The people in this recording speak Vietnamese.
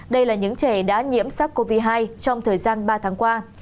đây là những trẻ đã nhiễm sắc covid một mươi chín trong thời gian ba tháng qua